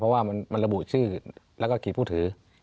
เพราะว่ามันระบุชื่อแล้วก็ขีดผู้ถือ